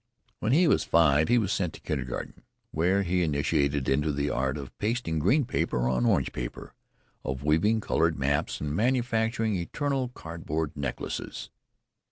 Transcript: When he was five he was sent to kindergarten, where he was initiated into the art of pasting green paper on orange paper, of weaving coloured maps and manufacturing eternal cardboard necklaces.